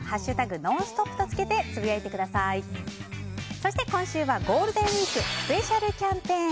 そして今週はゴールデンウィークスペシャルキャンペーン。